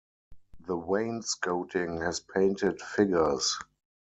The wainscoting has painted figures.